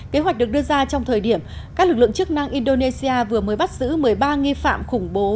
kế hoạch được đưa ra trong thời điểm các lực lượng chức năng indonesia vừa mới bắt giữ một mươi ba nghi phạm khủng bố